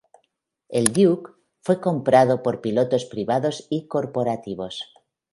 El "Duke" fue comprado por pilotos privados y corporativos.